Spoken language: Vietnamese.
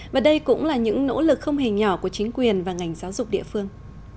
và đây cũng là những nỗ lực không hề nhỏ của chính quyền và ngành giáo dục địa phương